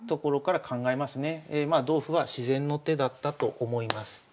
まあ同歩は自然の手だったと思います。